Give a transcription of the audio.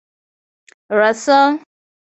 "Rassel", "Schnarre"; It.